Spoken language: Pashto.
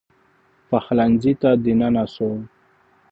پخلنځي ته دننه سو